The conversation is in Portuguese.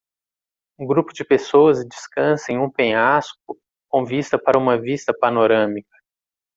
Um grupo de pessoas descansa em um penhasco com vista para uma vista panorâmica.